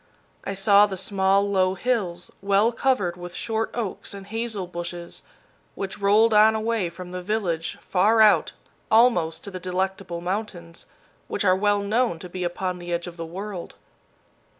I saw the small, low hills, well covered with short oaks and hazel bushes, which rolled on away from the village, far out, almost to the Delectable Mountains, which are well known to be upon the edge of the world.